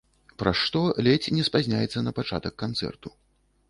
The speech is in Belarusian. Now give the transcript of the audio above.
Праз што ледзь не спазняецца на пачатак канцэрту.